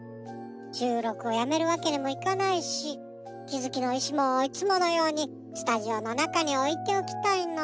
しゅうろくをやめるわけにもいかないしきづきのいしもいつものようにスタジオのなかにおいておきたいの。